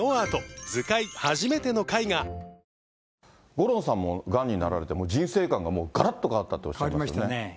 五郎さんもがんになられて、もう人生観ががらっと変わったっておっしゃられましたよね。